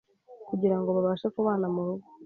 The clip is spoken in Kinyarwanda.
kugira ngo babashe kubana mu rugo,